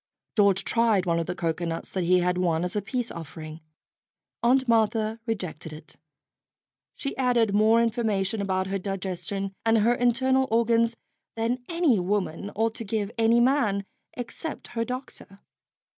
George tried one of the cocoanuts that he had won as a peace offering. Aunt Martha rejected it. She added more information about her digestion and her internal or gans than any woman ought to give any man except her doctor.